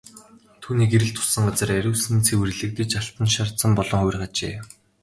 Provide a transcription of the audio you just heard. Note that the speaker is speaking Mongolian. Түүний гэрэл туссан газар ариусан цэвэрлэгдэж алтан шар зам болон хувирах ажээ.